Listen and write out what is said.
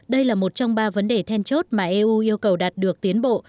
đây là một trong ba vấn đề then chốt mà eu yêu cầu đạt được tiến bộ